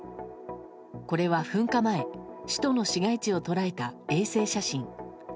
これは噴火前、首都の市街地を捉えた衛星写真。